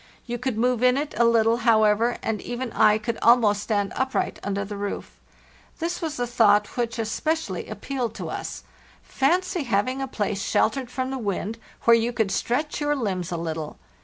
You could move in it a little, however, and even I could almost stand up right under the roof. This was a thought which es O7 Ig pecially appealed to us. Fancy having a place sheltered LAND AP LAST 421 from the wind where you could stretch your limbs a lit tle!